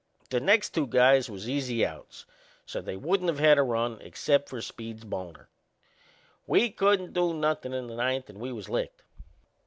The next two guys was easy outs; so they wouldn't of had a run except for Speed's boner. We couldn't do nothin' in the ninth and we was licked.